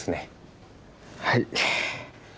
はい。